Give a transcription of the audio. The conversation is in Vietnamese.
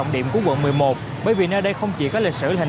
giảm một mươi ba so với cùng kỳ năm hai nghìn hai mươi hai